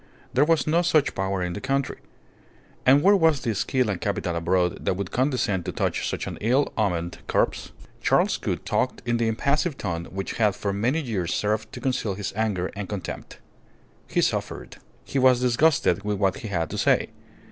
There was no such power in the country. And where was the skill and capital abroad that would condescend to touch such an ill omened corpse? Charles Gould talked in the impassive tone which had for many years served to conceal his anger and contempt. He suffered. He was disgusted with what he had to say.